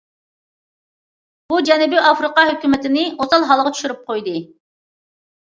بۇ جەنۇبىي ئافرىقا ھۆكۈمىتىنى ئوسال ھالغا چۈشۈرۈپ قويدى.